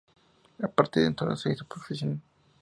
A partir de entonces se hizo profesional.